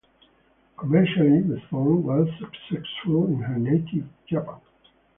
Commercially, the song was successful in her native Japan.